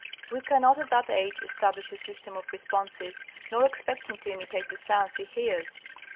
We cannot, at that age, establish a system of responses, nor expect him to imitate the sounds he hears.